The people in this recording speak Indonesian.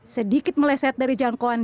sedikit meleset dari jangkauan